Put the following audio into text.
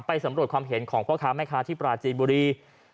สำรวจความเห็นของพ่อค้าแม่ค้าที่ปราจีนบุรี